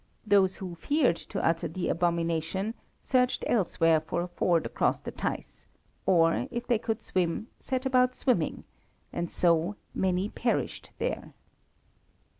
Those who feared to utter the abomination searched elsewhere for a ford across the Theiss, or, if they could swim, set about swimming, and so many perished there.